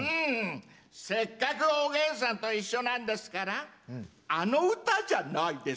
せっかく「おげんさんといっしょ」なんですからあの歌じゃないですか？